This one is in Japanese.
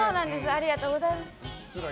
ありがとうございます。